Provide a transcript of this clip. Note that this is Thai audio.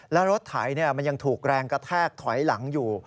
แล้วรถไถมันยังถูกแรงกระแทกถอยหลังอยู่